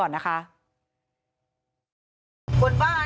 โรงงานก็งบกันอาจจะน่ามากแล้ว